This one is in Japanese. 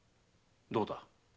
どうだ？